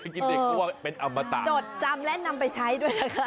จดจำและนำไปใช้ด้วยนะคะ